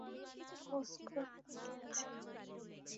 তুমি ভজঘট পাকিয়েছ।